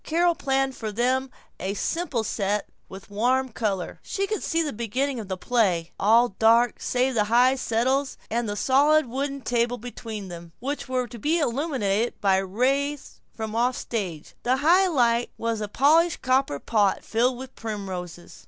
Carol planned for them a simple set with warm color. She could see the beginning of the play: all dark save the high settles and the solid wooden table between them, which were to be illuminated by a ray from offstage. The high light was a polished copper pot filled with primroses.